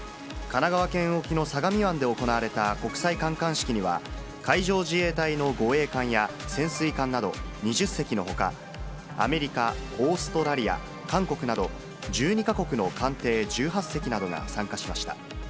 神奈川県沖の相模湾で行われた、国際観艦式には、海上自衛隊の護衛艦や潜水艦など２０隻のほか、アメリカ、オーストラリア、韓国など、１２か国の艦艇１８隻などが参加しました。